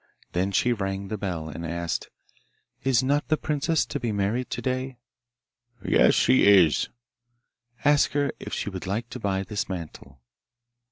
Then she rang the bell, and asked: 'Is not the princess to be married to day?' 'Yes, she is.' 'Ask her if she would like to buy this mantle.